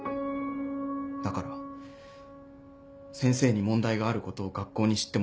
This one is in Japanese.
だから先生に問題があることを学校に知ってもらうために。